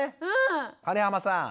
金濱さん。